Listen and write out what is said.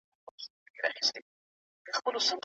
تاسو بايد د مطالعې په مرسته خپل فکر روښانه وساتئ.